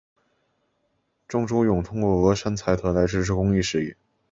郑周永通过峨山财团来支持公益事业。